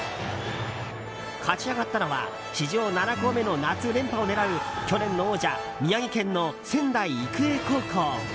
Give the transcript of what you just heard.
勝ち上がったのは史上７校目の夏連覇を狙う去年の王者宮城県の仙台育英高校。